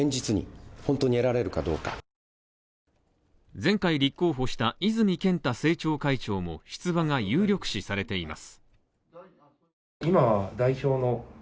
前回立候補した泉健太政調会長も出馬が有力視されています。